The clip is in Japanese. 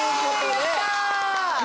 やった。